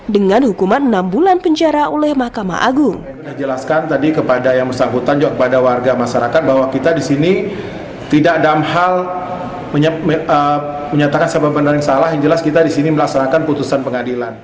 dengan hukuman enam bulan penjara oleh mahkamah agung